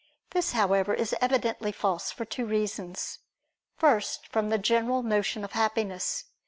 This, however, is evidently false, for two reasons. First, from the general notion of happiness.